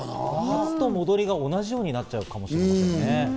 初と戻りが同じような感じになるかもしれませんね。